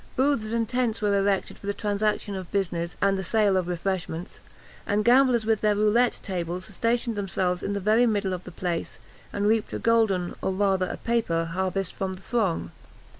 Booths and tents were erected for the transaction of business and the sale of refreshments, and gamblers with their roulette tables stationed themselves in the very middle of the place, and reaped a golden, or rather a paper, harvest from the throng.